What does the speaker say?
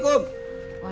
ya selamat pagi